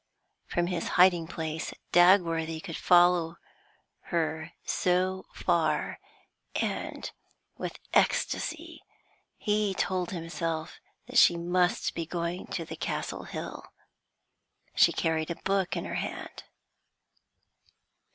From his hiding place Dagworthy could follow her so far, and with ecstasy he told himself that she must be going to the Castle Hill. She carried a book in her hand.